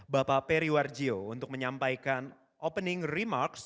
bapak periwar jio untuk menyampaikan opening remarks